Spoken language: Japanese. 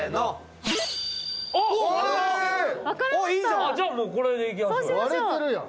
じゃあもうこれでいきましょうよ。